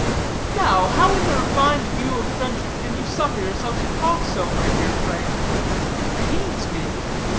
"Now, how in the refined view of friendship can you suffer yourself to talk so, my dear Frank. It pains me.